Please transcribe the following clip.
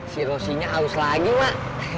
si rosinya aus lagi mak